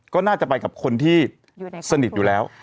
ก็น่าจะไปกับคนที่สนิทอยู่แล้ว